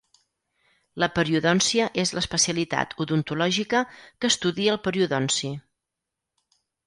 La periodòncia és l'especialitat odontològica que estudia el periodonci.